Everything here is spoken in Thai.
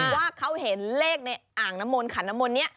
ว่าเขาเห็นเลขในอ่างนมลขนนมลนี้